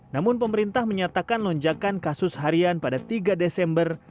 namun pemerintah menyatakan lonjakan kasus harian pada tiga desember